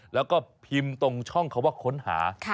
แล้วก็พิมพ์ตรงช่องคำว่าค้นหา